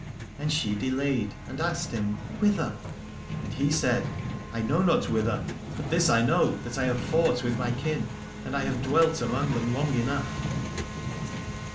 And she delayed and asked him 310 Aladore Whither ? And he said : I know not whither, but this I know, that I have fought with my kin, and I have dwelt among them long enough.